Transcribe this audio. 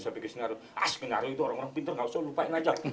aspinaru itu orang orang pintar gak usah lupain aja